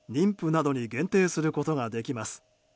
妊婦などに限定することができます。